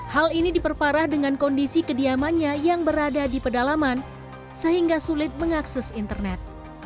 hal ini diperparah dengan kondisi kediamannya yang berada di pedalaman sehingga sulit mengakses internet